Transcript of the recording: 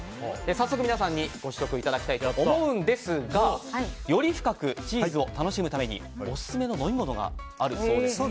早速、皆さんにご試食いただきたいと思うんですがより深くチーズを楽しむためにオススメの飲み物があるそうです。